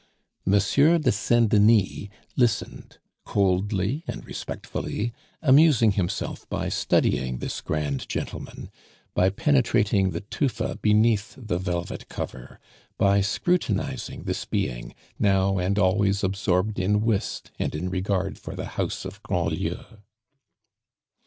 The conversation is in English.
Monsieur de Saint Denis listened coldly and respectfully, amusing himself by studying this grand gentleman, by penetrating the tufa beneath the velvet cover, by scrutinizing this being, now and always absorbed in whist and in regard for the House of Grandlieu.